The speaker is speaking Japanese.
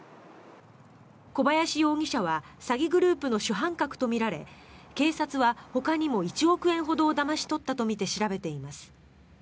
小林容疑者は詐欺グループの主犯格とみられ警察はほかにも１億円ほどをだまし取ったとみて調べています。